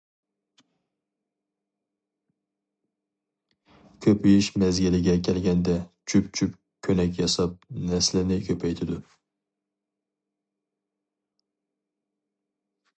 كۆپىيىش مەزگىلىگە كەلگەندە جۈپ-جۈپ كۆنەك ياساپ نەسلىنى كۆپەيتىدۇ.